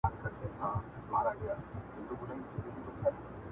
او امید څخه د خلګو